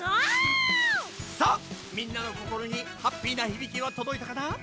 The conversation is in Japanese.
さあみんなのこころにハッピーなひびきはとどいたかな？